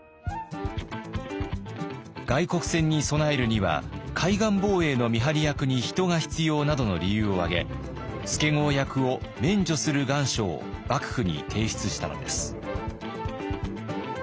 外国船に備えるには海岸防衛の見張り役に人が必要などの理由を挙げ助郷役を免除する願書を幕府に提出したのです。